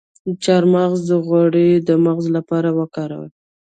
د چارمغز غوړي د مغز لپاره وکاروئ